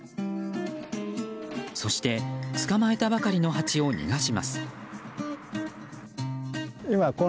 そして、捕まえたばかりのハチを逃がします。